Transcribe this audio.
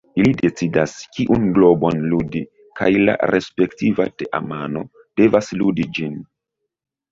Ili decidas kiun globon ludi kaj la respektiva teamano devas ludi ĝin.